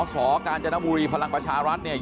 สกาญจนบุรีพลังประชารัฐเนี่ย